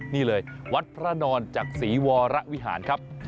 นี่เลยวัดพระนอนจักษีวรวิหารครับ